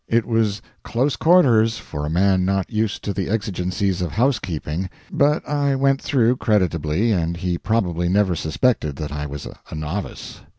It was close quarters for a man not used to the exigencies of housekeeping; but I went through creditably, and he probably never suspected that I was a novice.